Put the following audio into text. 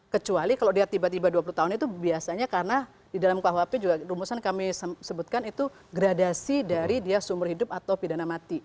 kecuali kalau dia tiba tiba dua puluh tahun itu biasanya karena di dalam kuhp juga rumusan kami sebutkan itu gradasi dari dia seumur hidup atau pidana mati